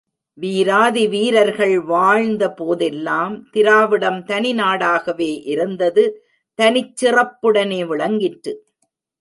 வீராதி வீரர்கள் வாழ்ந்தபோதெல்லாம் திராவிடம் தனி நாடாகவே இருந்தது தனிச் சிறப்புடனே விளங்கிற்று.